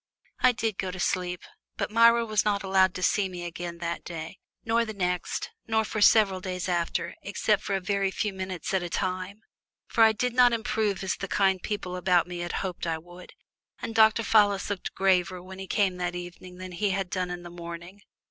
I did go to sleep, but Myra was not allowed to see me again that day, nor the next nor for several days after, except for a very few minutes at a time. For I did not improve as the kind people about me had hoped I would, and Dr. Fallis looked graver when he came that evening than he had done in the morning.